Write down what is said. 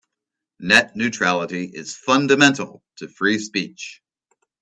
Net neutrality is fundamental to free speech.